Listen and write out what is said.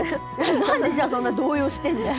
なんでじゃあそんな動揺してんだよ。